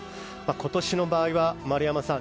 今年の場合は、丸山さん